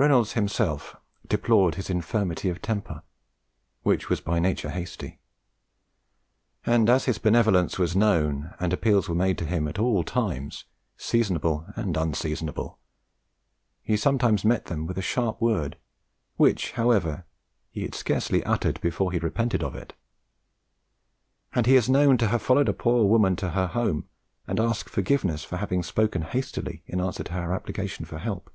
Reynolds himself deplored his infirmity of temper, which was by nature hasty; and, as his benevolence was known, and appeals were made to him at all times, seasonable and unseasonable, he sometimes met them with a sharp word, which, however, he had scarcely uttered before he repented of it: and he is known to have followed a poor woman to her home and ask forgiveness for having spoken hastily in answer to her application for help.